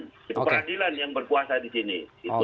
itu peradilan yang berkuasa di sini